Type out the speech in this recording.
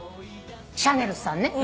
シャネルさんね。